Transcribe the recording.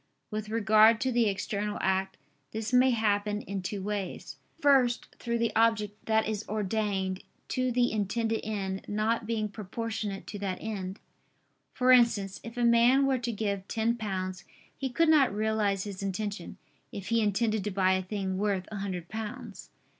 With regard to the external act this may happen in two ways. First, through the object that is ordained to the intended end not being proportionate to that end; for instance, if a man were to give ten pounds, he could not realize his intention, if he intended to buy a thing worth a hundred pounds.